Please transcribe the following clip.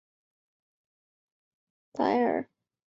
弗尔里埃圣伊莱尔。